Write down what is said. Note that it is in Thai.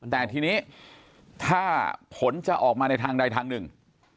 แต่ทีนี้ถ้าผลจะออกมาในทางใดทางหนึ่ง